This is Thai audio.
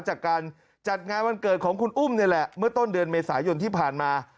จากการจัดงานวันเกิดของคุณอุ้มนี่แหละเมื่อต้นเดือนเมษายนที่ผ่านมา